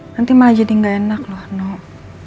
nanti malah jadi gak enak loh nuk